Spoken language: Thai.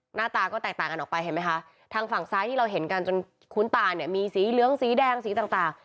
หน้าตาก็แตกต่างกันออกไปเห็นไหมคะทางฝั่งซ้ายที่เราเห็นกันจนคุ้นตาเนี่ยมีสีเหลืองสีแดงสีต่าง